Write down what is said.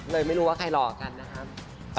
เลยไม่รู้ว่าใครหล่อกันนะครับ